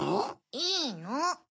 いいの。